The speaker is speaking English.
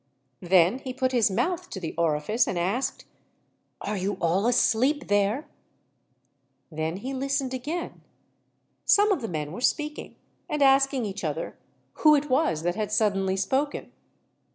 Then he put his mouth to the orifice and asked: "Are you all asleep there?" Then he listened again. Some of the men were speaking, and asking each other who it was that had suddenly spoken.